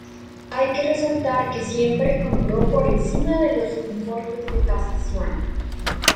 Hay que resaltar que siempre compró por encima de los importes de tasación.